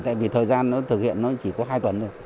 tại vì thời gian nó thực hiện nó chỉ có hai tuần thôi